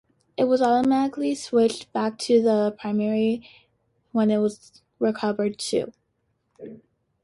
It automatically switches back to the primary when it recovers, too.